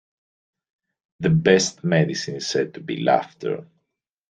The best medicine is said to be laughter.